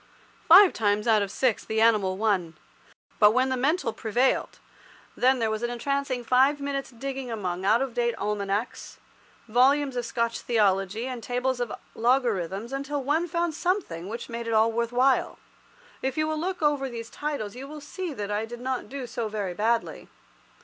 Five times out of six the animal won. But when the mental prevailed, then there was an entrancing five minutes' digging among out of date almanacs, volumes of Scotch theology, and tables of logarithms, until one found something which made it all worth while. If you will look over these titles, you will see that I did not do so very badly.